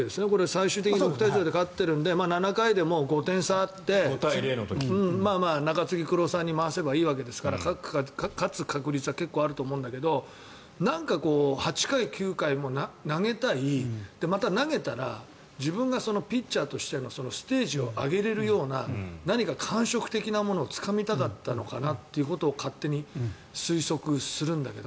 最終的に６対０で勝っているので７回でも５点差あって中継ぎクローザーに回せばいいわけですから勝つ確率は結構あると思うんだけど８回９回も投げたいまた投げたら自分がピッチャーとしてのステージを上げれるような何か感触的なものをつかみたかったのかなということを勝手に推測するんだけど。